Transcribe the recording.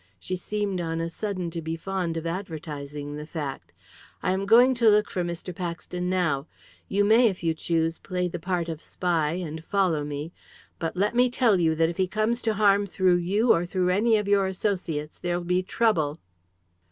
She seemed on a sudden to be fond of advertising the fact. "I am going to look for Mr. Paxton now. You may, if you choose, play the part of spy, and follow me; but let me tell you that if he comes to harm through you, or through any of your associates, there'll be trouble."